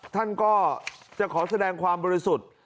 ท่านก็จะขอแสดงความบริสุทธิ์